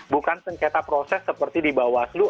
bukan sengketa proses seperti di bawaslu